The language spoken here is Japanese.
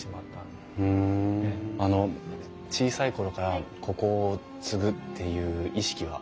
小さい頃からここを継ぐっていう意識は？